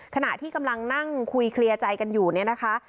ขณะที่กำลังนั่งคุยเคลียร์ใจกันอยู่เนี่ยนะคะ